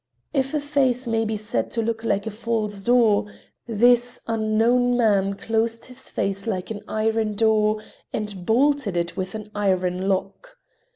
If a face may be said to look like a false door, this unknown man closed his face like an iron door and bolted it with an iron lock.